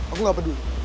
aku gak peduli